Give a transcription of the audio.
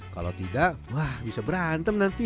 kalau tidak wah bisa berantem nanti